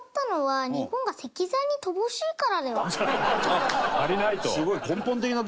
足りないと。